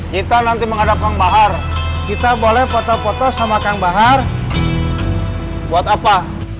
kita nanti menghadapkan bahar kita boleh foto foto sama kang bahar buat apa